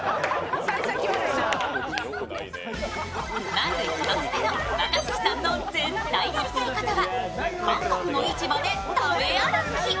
まず１つ目の若槻さんが絶対やりたいことは韓国の市場で食べ歩き。